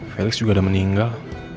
felix juga udah meninggal